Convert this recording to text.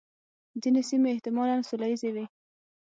ځینې سیمې احتمالاً سوله ییزې وې.